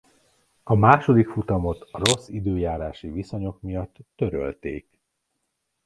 A második futamot a rossz időjárási viszonyok miatt törölték.